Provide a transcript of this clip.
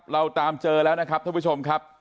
เราตามเจอแล้วนะครับท่านผู้ชมครับ